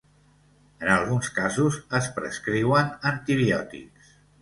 En alguns casos, es prescriuen antibiòtics.